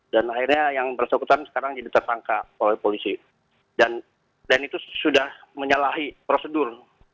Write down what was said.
dan akhirnya yang bersekutu sekarang jadi tertangkap oleh polisi dan itu sudah menyalahi prosedur